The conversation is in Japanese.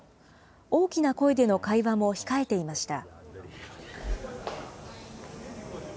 大きな声での会話も控えていました。